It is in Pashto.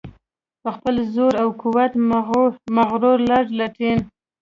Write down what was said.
په خپل زور او قوت مغرور لارډ لیټن.